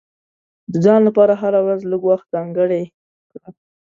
د ځان لپاره هره ورځ لږ وخت ځانګړی کړه.